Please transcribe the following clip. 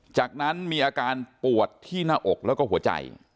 จากนั้นมีอาการปวดที่หน้าอกแล้วก็หัวใจ